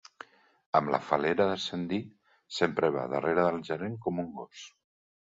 Amb la fal·lera d'ascendir, sempre va darrere el gerent com un gos.